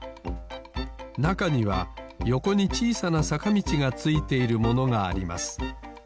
なかにはよこにちいさなさかみちがついているものがあります